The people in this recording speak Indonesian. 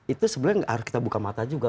itu sebenarnya harus kita buka mata juga